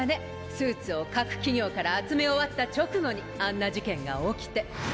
スーツを各企業から集め終わった直後にあんな事件が起きて。